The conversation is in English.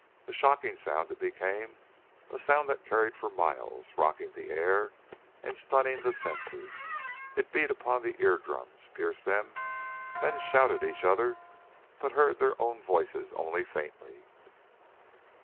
A shocking sound it became, a sound that carried for miles, rocking the air and stunning the senses. It beat upon the eardrums, pierced them; men shouted at each other, but heard their own voices only faintly.